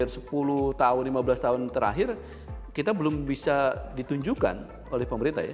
sepuluh tahun lima belas tahun terakhir kita belum bisa ditunjukkan oleh pemerintah ya